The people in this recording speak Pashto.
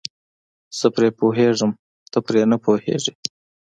زه پرې پوهېږم ته پرې نه پوهیږې.